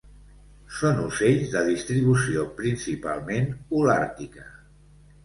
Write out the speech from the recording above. Són ocells de distribució principalment holàrtica.